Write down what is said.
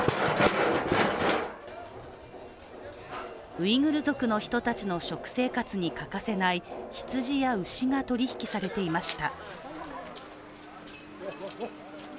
ウイグル族の人たちの食生活に欠かせない羊や牛が取引されていました。